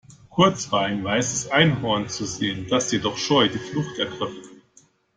Kurz war ein weißes Einhorn zu sehen, das jedoch scheu die Flucht ergriff.